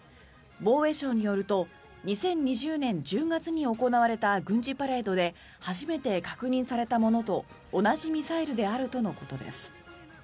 防衛省によると２０２０年１０月に行われた軍事パレードで初めて確認されたものと同じミサイルであるということです。